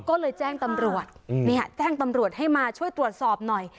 ก็เลยแจ้งตำรวจแจ้งตำรวจให้มาช่วยตรวจสอบหน่อย